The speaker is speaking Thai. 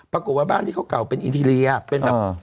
ปรากฏว่าบ้านที่เขาเก่าเป็นอินทีเรียเป็นแบบ